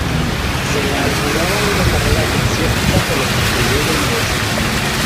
Se le auguraba una carrera eclesiástica, por lo que estudió en la universidad.